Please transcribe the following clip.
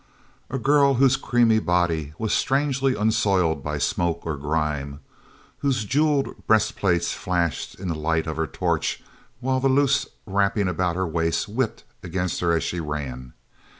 girl whose creamy body was strangely unsoiled by smoke or grime, whose jeweled breast plates flashed in the light of her torch while the loose wrappings about her waist whipped against her as she ran.